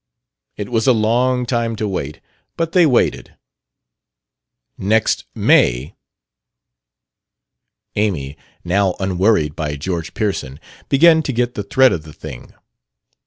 "It was a long time to wait, but they waited. Next May " Amy, now unworried by George Pearson, began to get the thread of the thing.